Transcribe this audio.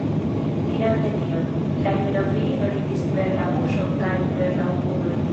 Dirante tion, la juna virino ridis per la buŝo kaj per la okuloj.